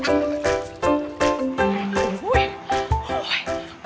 อุ๊ย